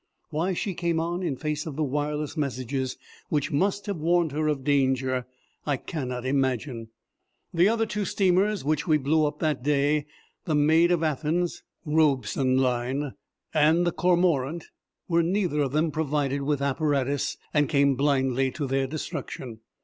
Why she came on in face of the wireless messages which must have warned her of danger, I cannot imagine. The other two steamers which we blew up that day, the Maid of Athens (Robson Line) and the Cormorant, were neither of them provided with apparatus, and came blindly to their destruction.